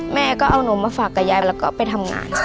แม่ก็เอานมมาฝากกับยายแล้วก็ไปทำงานค่ะ